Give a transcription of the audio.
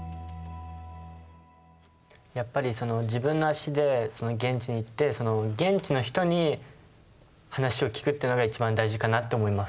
やっぱりその自分の足で現地に行って現地の人に話を聞くっていうのが一番大事かなって思います。